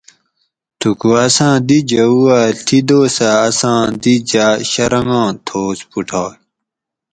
تھوکو اساں دی جھوؤ ا ڷی دوسہ اساں دی جا شرنگاں تھوس پھوٹائے